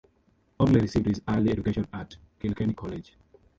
Ogle received his early education at Kilkenny College.